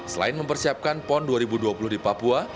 selain mempersiapkan pon dua ribu dua puluh di papua